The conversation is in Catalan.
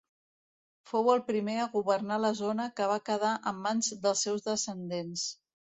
Fou el primer a governar la zona que va quedar en mans dels seus descendents.